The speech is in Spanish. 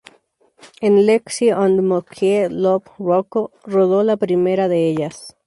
En "Lexie and Monique Love Rocco" rodó la primera de ellas.